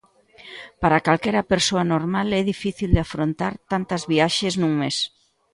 Para calquera persoa normal é difícil de afrontar tantas viaxes nun mes.